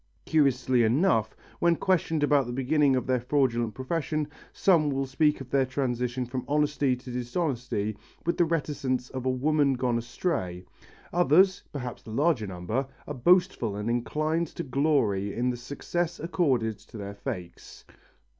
Curiously enough, when questioned about the beginning of their fraudulent profession, some will speak of their transition from honesty to dishonesty with the reticence of a woman gone astray; others, perhaps the larger number, are boastful and inclined to glory in the success accorded to their fakes.